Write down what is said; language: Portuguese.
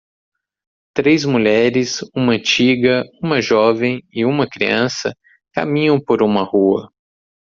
Três mulheres? uma antiga? uma jovem e uma criança? caminham por uma rua.